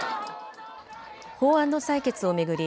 法案の採決を巡り